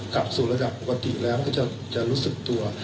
กลับสู่ระดับปกติแล้วก็จะรู้สึกตัว